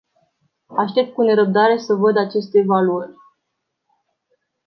Aștept cu nerăbdare să văd aceste evaluări.